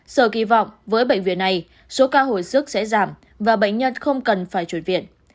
sở kỳ vọng với bệnh viện này số ca hồi sức sẽ giảm và bệnh nhân không cần phải chuyển viện